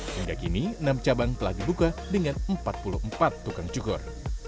hingga kini enam cabang telah dibuka dengan empat puluh empat tukang cukur